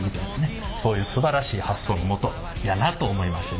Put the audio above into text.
そういうすばらしい発想のもとやなと思いました。